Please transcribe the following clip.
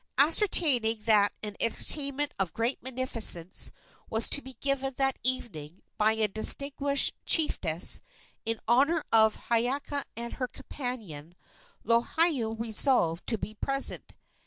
Ascertaining that an entertainment of great magnificence was to be given that evening by a distinguished chiefess in honor of Hiiaka and her companion, Lohiau resolved to be present.